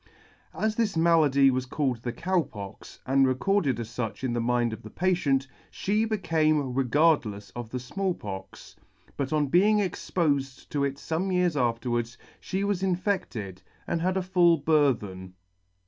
As this malady was called the Cow Pox, and recorded as fuch in the mind of the patient, fhe became regardlefs of the Small Pox ; but, on being expofed to it fome years afterwards, fhe was infected, and had a full burthen.